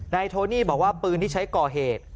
โทนี่บอกว่าปืนที่ใช้ก่อเหตุ